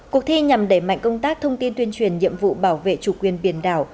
cuộc thi nhằm đẩy mạnh công tác thông tin tuyên truyền nhiệm vụ bảo vệ chủ quyền biển đảo